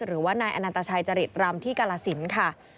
หรือว่านายอนันตชัยจริตรำที่กาลสินค่ะ